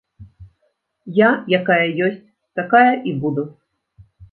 Я якая ёсць, такая і буду.